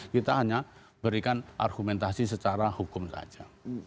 kita hanya berikan argumentasi secara hukum saja